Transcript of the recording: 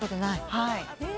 はい。